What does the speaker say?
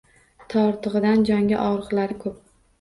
Tortig’idan jonga og’riqlari ko’p